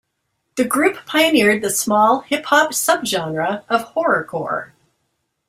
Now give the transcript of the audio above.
The group pioneered the small hip-hop subgenre of horrorcore.